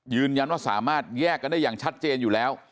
ยืนยันว่าสามารถแยกกันได้อย่างชัดเจนอยู่แล้ว